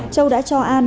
châu đã cho an